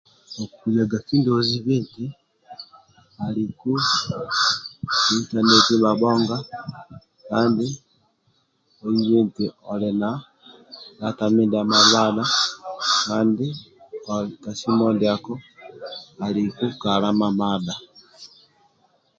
Okuyaga kindia ozibi ntibaliku intaneti mabhonga kandi ozibe eti oliku na data mamadha kandi simiu ndiako aliku kala mamadha